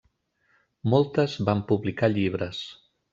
Moltes van publicar llibres.